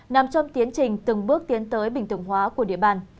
nằm trong tiến trình từng bước tiến tới bình thường hóa của địa bàn